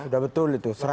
sudah betul itu